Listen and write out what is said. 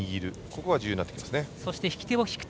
そこが重要になってきますね。